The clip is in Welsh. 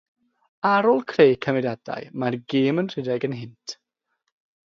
Ar ôl creu cymeriadau mae'r gêm yn rhedeg ei hynt.